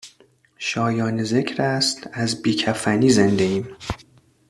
شایان ذکر است از بی کفنی زنده ایم